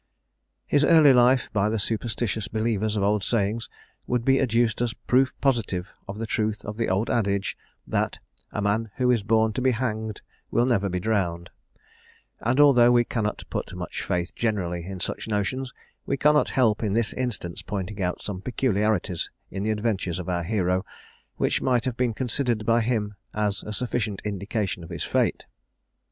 His early life, by the superstitious believers of old sayings, would be adduced as proof positive of the truth of the old adage, that "a man who is born to be hanged will never be drowned;" and although we cannot put much faith generally in such notions, we cannot help in this instance pointing out some peculiarities in the adventures of our hero, which might have been considered by him as a sufficient indication of his fate.